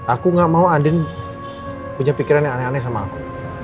aku gak mau adin punya pikiran yang aneh aneh sama aku